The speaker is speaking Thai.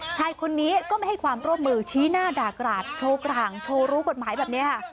ชายคนนี้ก็ไม่ให้ความร่วมมือชี้หน้าด่ากราดโชว์กลางโชว์รู้กฎหมายแบบนี้ค่ะ